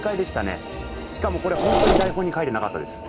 しかもこれほんとに台本に書いてなかったです